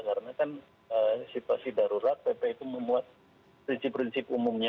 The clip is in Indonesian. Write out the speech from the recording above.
karena kan situasi darurat pp itu memuat prinsip prinsip umumnya